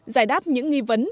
giải đáp những nghi vấn